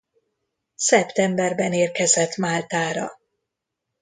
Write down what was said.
Szeptemberben érkezett Máltára.